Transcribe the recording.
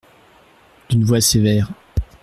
D’une voix sévère.